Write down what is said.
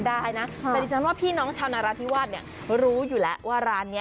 ๕ดูที่ภาพแวร่งดี